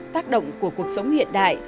tác động của cuộc sống hiện đại